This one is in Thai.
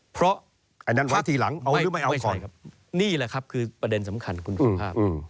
เพราะไม่ใช่ครับนี่แหละครับคือประเด็นสำคัญคุณสุภาพ